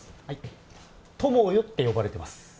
はい「トモヨ」って呼ばれてます